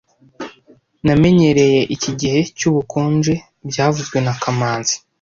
Namenyereye iki gihe cyubukonje byavuzwe na kamanzi